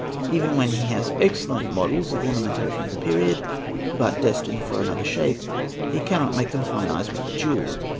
Even when he has excellent models of ornamentation of the period, but destined for an another shape, he cannot make them harmonize with the jewel.